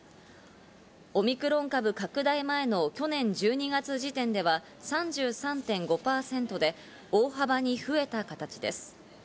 オミクロン株拡大前の去年１２月時点では３３．５％で大幅に増えた形です。